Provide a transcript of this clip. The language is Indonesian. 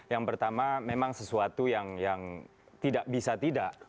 yang pertama memang sesuatu yang tidak bisa tidak